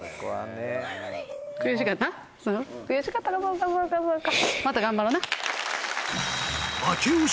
悔しかったかそうかそうかそうか。